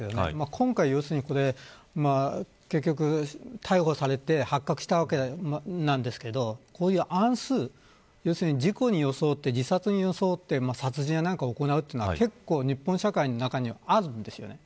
今回、要するに結局、逮捕されて発覚したわけですがいわゆる事故に装って自殺に装って殺人などを行うというのは結構、日本社会の中にあるわけです。